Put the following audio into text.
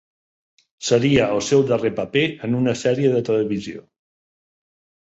Seria el seu darrer paper en una sèrie de televisió.